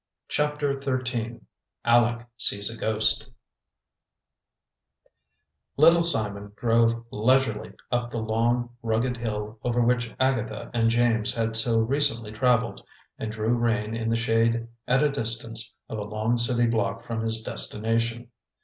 CHAPTER XIII ALECK SEES A GHOST Little Simon drove leisurely up the long, rugged hill over which Agatha and James had so recently traveled, and drew rein in the shade at a distance of a long city block from his destination.